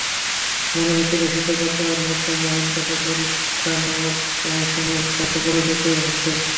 মনে হচ্ছিল, শিক্ষকতার মতো মহান পেশা পরীক্ষা নামক প্রহসনের কাছে পরাজিত হচ্ছে।